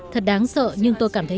thật đáng sợ nhưng tôi cảm thấy